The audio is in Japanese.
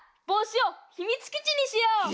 ぼうしをひみつきちにしよう。